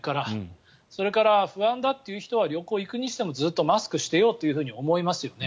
それから、不安だという人は旅行に行くにしてもずっとマスクをしてようと思いますよね。